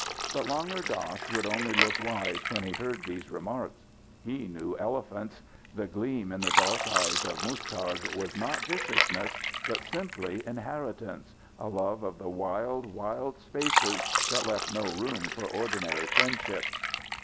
But Langur Dass would only look wise when he heard these remarks. He knew elephants. The gleam in the dark eyes of Muztagh was not viciousness, but simply inheritance, a love of the wide wild spaces that left no room for ordinary friendships.